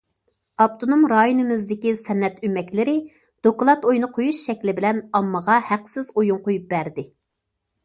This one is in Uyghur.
ئاپتونوم رايونىمىزدىكى سەنئەت ئۆمەكلىرى دوكلات ئويۇنى قويۇش شەكلى بىلەن ئاممىغا ھەقسىز ئويۇن قويۇپ بەردى.